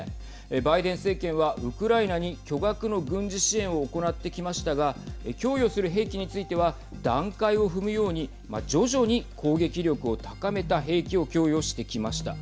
バイデン政権はウクライナに巨額の軍事支援を行ってきましたが供与する兵器については段階を踏むように徐々に攻撃力を高めた兵器を供与してきました。